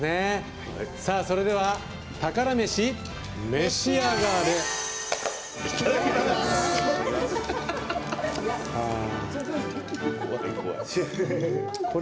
それでは宝メシ、召し上がれ！